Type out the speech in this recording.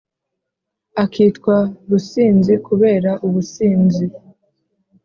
Akitwa rusinzi kubera ubusinzi